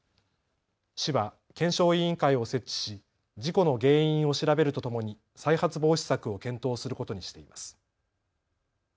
市は検証委員会を設置し事故の原因を調べるとともに再発防止策を検討することにしています。